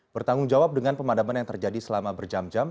bertanggung jawab dengan pemadaman yang terjadi selama berjam jam